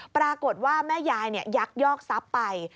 ปรากฏว่าแม่ยายยักยอกทรัพย์ไป